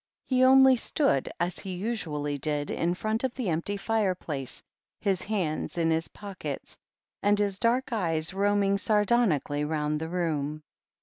He only stood, as he usually did, in front of the empty fireplace, his hands in his pockets, and his dark eyes roaming sardonically round the room.